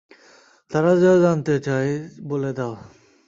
তারা যা জানতে চায় বলে দাও।